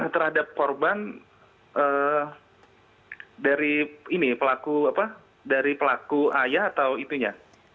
terhadap korban dari pelaku ayah atau itunya